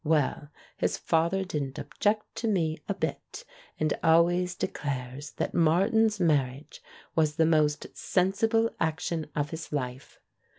Well, his father didn't object to me a bit, and always declares that Mar tin's marriage was the most sensible action of his life.